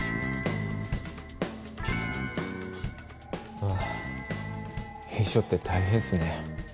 はぁ秘書って大変っすね。